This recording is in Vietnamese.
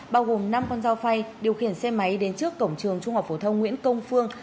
bao gồm năm con dao phay điều khiển xe máy đến trước cổng trường trung học phổ thông nguyễn công phương